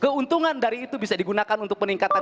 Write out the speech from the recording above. keuntungan dari itu bisa digunakan untuk peningkatan